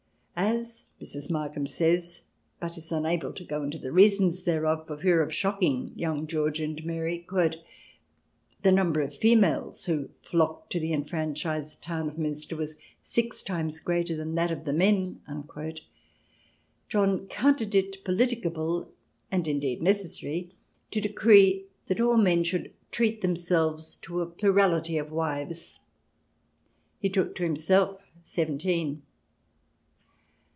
"As," Mrs. Markham says, but is unable to go into the reasons thereof for fear of shocking young George and Mary, " the number of females who flocked to the enfranchised town of Munster was six times greater than that of the men," John counted it politicable and indeed necessary to decree that all men should treat themselves to a plurality of wives. He took to himself seventeen.